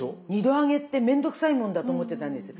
２度揚げってめんどくさいもんだと思ってたんです。